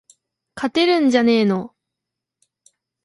勝てるんじゃねーの